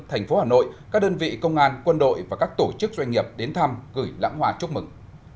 thành phố hà nội các đơn vị công an quân đội và các tổ chức doanh nghiệp đến thăm gửi lãng hoa chúc mừng